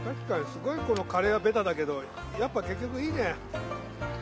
かにすごいこのカレーはベタだけどっぱ結局いいね。